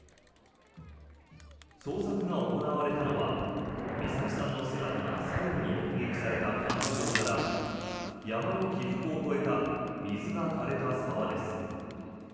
捜索が行われたのは美咲さんの姿が最後に目撃されたキャンプ場から山の起伏を越えた水が枯れた沢です。